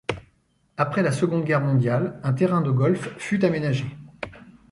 Après la Seconde Guerre mondiale, un terrain de golf fut aménagé.